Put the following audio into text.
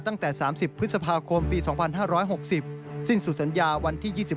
ทำให้เกิดปัชฎพลลั่นธมเหลืองผู้สื่อข่าวไทยรัฐทีวีครับ